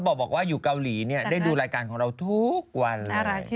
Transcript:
เขาบอกว่าอยู่กาหลีได้ดูรายการของเราทุกวัน